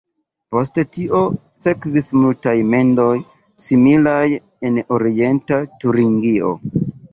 Post tio sekvis multaj mendoj similaj en Orienta Turingio.